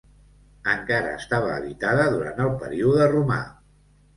Encara estava habitada durant el període romà.